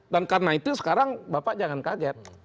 dan karena itu sekarang bapak jangan kaget